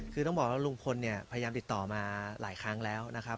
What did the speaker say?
คือต้องบอกว่าลุงพลเนี่ยพยายามติดต่อมาหลายครั้งแล้วนะครับ